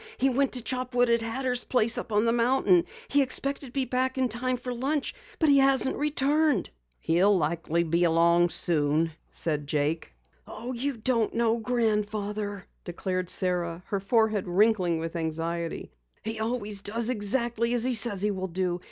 He went to chop wood at Hatter's place up the mountain. He expected to be back in time for lunch but he hasn't returned." "He'll likely be along soon," said Jake. "Oh, you don't know Grandfather," declared Sara, her forehead wrinkling with anxiety. "He always does exactly as he says he will do.